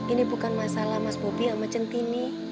ini bukan masalah mas bobi sama centini